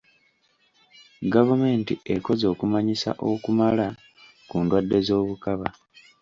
Gavumenti ekoze okumanyisa okumala ku ndwadde z'obukaba.